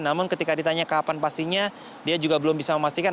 namun ketika ditanya kapan pastinya dia juga belum bisa memastikan